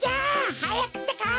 はやくってか。